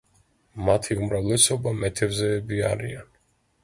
მათი უმრავლესობა მეთევზეები არიან.